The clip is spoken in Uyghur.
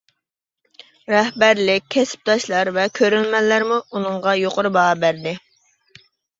رەھبەرلىك، كەسىپداشلار ۋە كۆرۈرمەنلەرمۇ ئۇنىڭغا يۇقىرى باھا بەردى.